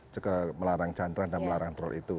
juga melarang cantrang dan melarang troll itu